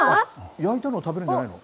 焼いたのを食べるんじゃないの？